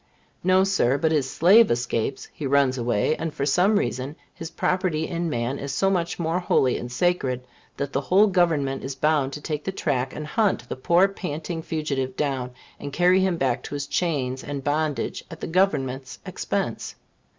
No, Sir. But his slave escapes he runs away, and, for some reason, his property in man is so much more holy and sacred, that the whole Government is bound to take the track and hunt, the poor panting fugitive down, and carry him back to his chains and bondage at the Government's expense.